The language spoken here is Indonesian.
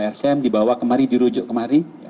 rsm dibawa kemari dirujuk kemari